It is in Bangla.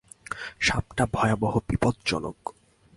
সাপটি ভয়াবহ বিপজ্জনক।